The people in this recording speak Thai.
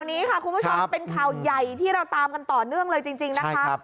วันนี้ค่ะคุณผู้ชมเป็นข่าวใหญ่ที่เราตามกันต่อเนื่องเลยจริงนะคะ